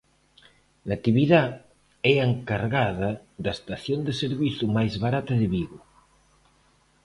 Natividad é a encargada da estación de servizo máis barata de Vigo.